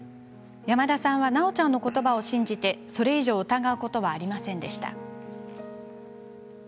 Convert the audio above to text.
山田さんはなおちゃんのことばを信じてそれ以上疑うことはありませんでした。